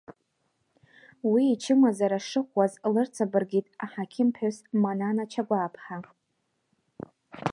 Уи ичымазара шыӷәӷәаз лырҵабыргит аҳақьым-ԥҳәыс Манана Чагәаа-пҳа.